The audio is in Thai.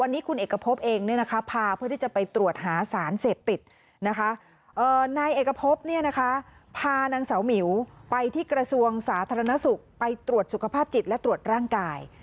ที่กระทรวงสาธารณสุขไปตรวจสุขภาพจิตและตรวจร่างกาย